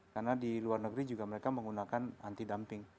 karena di luar negeri juga mereka menggunakan anti dumping